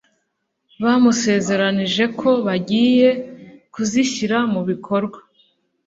bamusezeranyije ko bagiye kuzishyira mu bikorwa